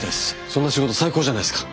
そんな仕事最高じゃないですか。